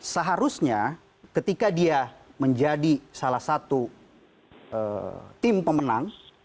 seharusnya ketika dia menjadi salah satu tim pemenang